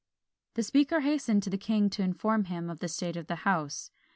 The speaker hastened to the king to inform him of the state of the house.